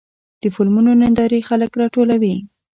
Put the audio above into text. د فلمونو نندارې خلک راټولوي.